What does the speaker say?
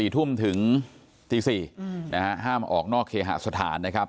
๔ทุ่มถึงตี๔ห้ามออกนอกเคหสถานนะครับ